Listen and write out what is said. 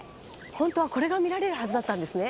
本当はこれが見られるはずだったんですね。